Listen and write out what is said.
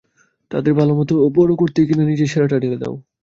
তাদের ভালোমতো বড়ো করতেই কিনা নিজের সেরাটা ঢেলে দাও।